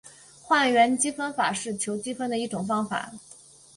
换元积分法是求积分的一种方法。